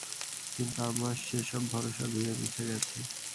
কিন্তু আমার সে-সব ভরসা ধুয়েমুছে গেছে।